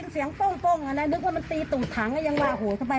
เสียงดั่งก็เพราะเช้าเขาบอกว่าเขามีกำรวจมาที่